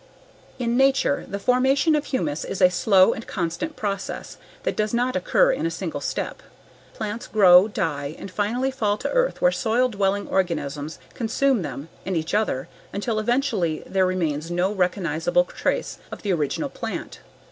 In nature, the formation of humus is a slow and constant process that does not occur in a single step. Plants grow, die and finally fall to earth where soil dwelling organisms consume them and each other until eventually there remains no recognizable trace of the original plant.